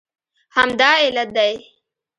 همدا علت دی